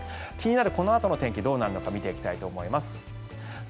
気になるこのあとの天気どうなるのか見ていきたいと思います。